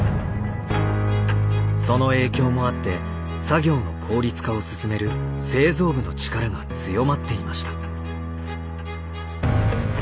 その影響もあって作業の効率化を進める製造部の力が強まっていました。